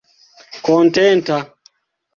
kontenta